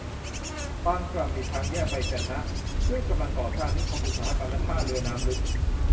บางกล่ำ มีทางแยกไปจะนะ ซึ่งกำลังก่อสร้างนิคมอุตสาหกรรมและท่าเรือน้ำลึก